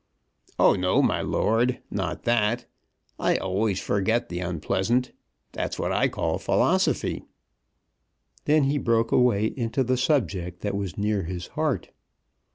"Oh, no, my lord, not that. I always forget the unpleasant. That's what I call philosophy." Then he broke away into the subject that was near his heart.